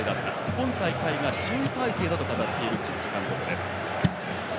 今大会が新体制だと語っているチッチ監督です。